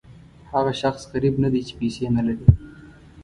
هغه شخص غریب نه دی چې پیسې نه لري.